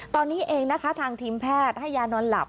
ตอนนี้เองนะคะทางทีมแพทย์ให้ยานอนหลับ